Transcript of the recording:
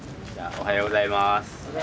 おはようございます。